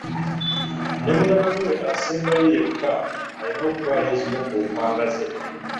Ne mutabaniwe asembayo yekka ayina okutwala ezimu ku mpanga ze.